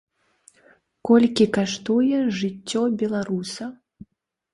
Колькі каштуе жыццё беларуса?